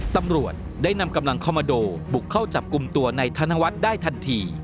ตำรวจได้นำกำลังคอมมาโดบุกเข้าจับกลุ่มตัวในธนวัฒน์ได้ทันที